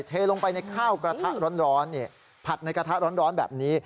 เทลงไปในข้าวกระทะร้อนผัดในกระทะร้อนแบบนี้